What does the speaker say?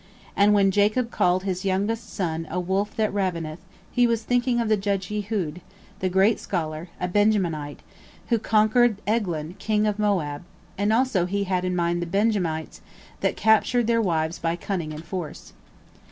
And when Jacob called his youngest son a wolf that ravineth, he was thinking of the judge Ehud, the great scholar, a Benjamite, who conquered Eglon king of Moab, and also he had in mind the Benjamites that captured their wives by cunning and force.